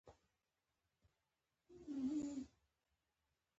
هغه بالښت د خپل ځان مخې ته نیولی و